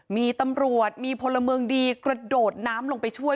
มีตำรวจมีพลเมืองดีกระโดดน้ำลงไปช่วย